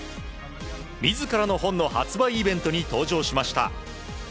自らの本の発売イベントに登場しました。